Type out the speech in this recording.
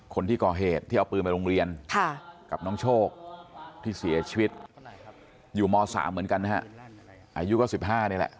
คนที่ก่อเหตุที่เอาปืนไปโรงเรียนกับน้องโชคที่เสียชีวิตอยู่ม๓เหมือนกันนะฮะอายุก็๑๕นี่แหละ